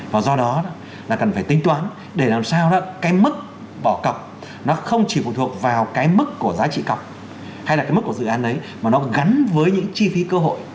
và do đó là cần phải tính toán để làm sao đó cái mức bỏ cọc nó không chỉ phụ thuộc vào cái mức của giá trị cọc hay là cái mức của dự án đấy mà nó gắn với những chi phí cơ hội